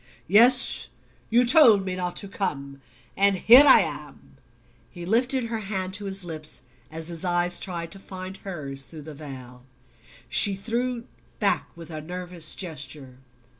"Yes; you told me not to come and here I am." He lifted her hand to his lips as his eyes tried to find hers through the veil. She drew back with a nervous gesture.